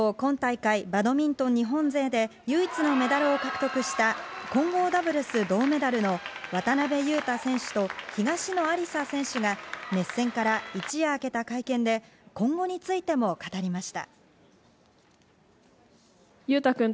一方、今回バドミントン日本勢で唯一メダルを獲得した混合ダブルス銅メダルの渡辺勇大選手と東野有紗選手が熱戦から一夜明けた会見で、今後についても語りました。